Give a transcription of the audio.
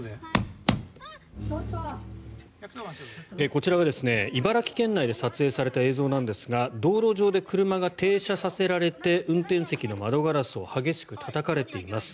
こちらは茨城県内で撮影された映像なんですが道路上で車が停車させられて運転席の窓ガラスを激しくたたかれています。